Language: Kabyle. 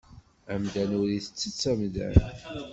Amdan ur ittett amdan.